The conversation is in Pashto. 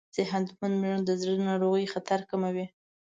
صحتمند ژوند د زړه ناروغیو خطر کموي.